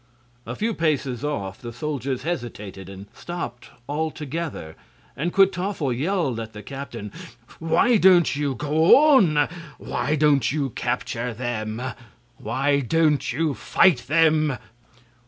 A few paces off the soldiers hesitated and stopped altogether, and Kwytoffle yelled at the captain: "Why don't you go on? Why don't you capture them? Why don't you fight them?"